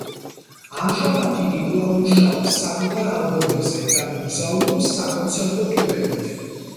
ამჟამად იგი კვლავ მუშაობს საკუთარ ალბომებზე და მოგზაურობს საკონცერტო ტურებით.